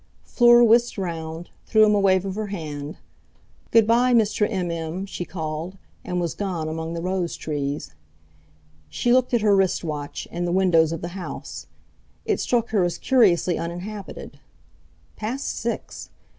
Fleur whisked round, threw him a wave of her hand. "Good bye, Mr. M.M.!" she called, and was gone among the rose trees. She looked at her wrist watch and the windows of the house. It struck her as curiously uninhabited. Past six!